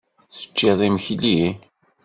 Teččiḍ imekli?